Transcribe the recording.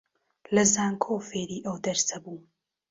لە زانکۆ فێری ئەو دەرسە بووم